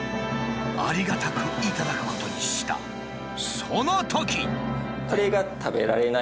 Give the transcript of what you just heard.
ありがたく頂くことにしたそのとき。